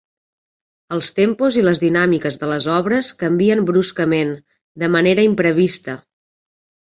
Els tempos i les dinàmiques de les obres canvien bruscament, de manera imprevista.